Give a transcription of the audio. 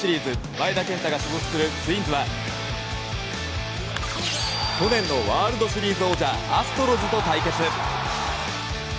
前田健太が所属するツインズは去年のワールドシリーズ王者アストロズと対決。